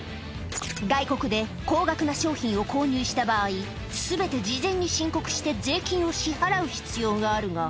外国で高額な商品を購入した場合、すべて事前に申告して税金を支払う必要があるが。